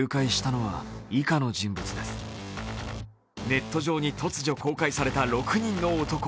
ネット上に突如公開された６人の男。